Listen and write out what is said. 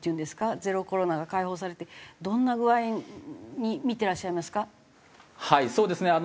ゼロコロナが解放されてどんな具合に見てらっしゃいますか？